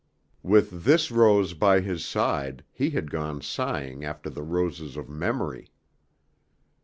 With this rose by his side, he had gone sighing after the roses of memory.